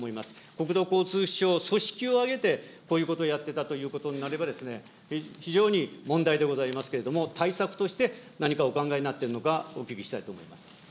国土交通省組織を挙げて、こういうことをやっていたということになれば、非常に問題でございますけれども、対策として何かお考えになっているのか、お聞きしたいと思います。